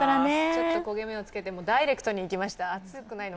ちょっと焦げ目をつけて、ダイレクトにいきましたね。